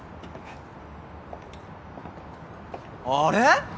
あれ？